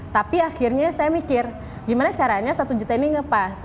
tapi akhirnya saya mikir gimana caranya satu juta ini ngepas